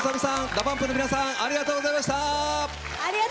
ＤＡＰＵＭＰの皆さんありがとうございました。